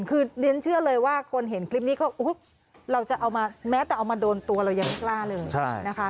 คือเรียนเชื่อเลยว่าคนเห็นคลิปนี้ก็เราจะเอามาแม้แต่เอามาโดนตัวเรายังไม่กล้าเลยนะคะ